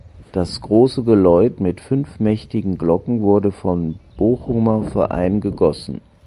Das große Geläut mit fünf mächtigen Glocken wurde vom Bochumer Verein gegossen.